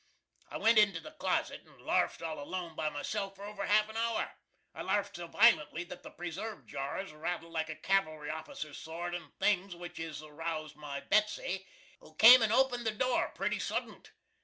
I went into the closet and larfed all alone by myself for over half an hour. I larfed so vi'lently that the preserve jars rattled like a cavalry offisser's sword and things, which it aroused my BETSY, who came and opened the door pretty suddent.